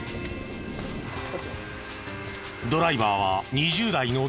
ドライバーは２０代の男性。